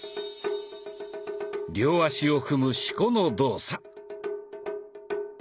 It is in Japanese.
両足を踏む四股の動作。